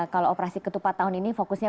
kalau operasi ketupat tahun ini fokusnya